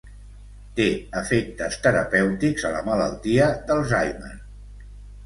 Té efectes terapèutics a la malaltia d'Alzheimer.